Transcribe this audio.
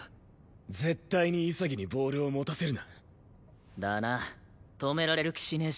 絶対に潔にボールを持たせるな。だな。止められる気しねえし。